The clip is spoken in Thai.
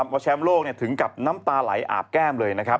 เพราะแชมป์โลกถึงกับน้ำตาไหลอาบแก้มเลยนะครับ